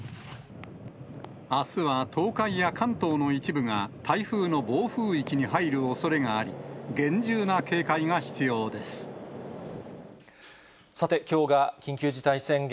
あすは東海や関東の一部が、台風の暴風域に入るおそれがあり、さて、きょうが緊急事態宣言、